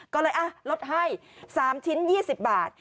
ก็เลยลดให้๓ชิ้น๒๐บาท